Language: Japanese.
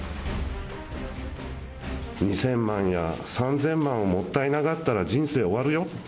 ２０００万や３０００万をもったいながったら、人生終わるよ。